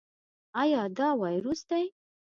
ایا دا وایروس دی؟